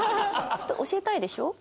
教えたいでしょ？